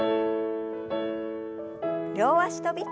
両脚跳び。